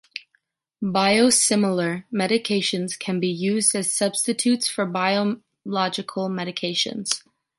Biosimilar medications can be used as substitutes for biological medications.